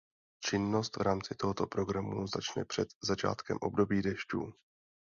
Činnost v rámci tohoto programu začne před začátkem období dešťů.